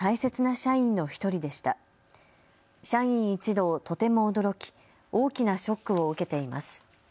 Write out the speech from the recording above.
社員一同とても驚き、大きなショックを受けています。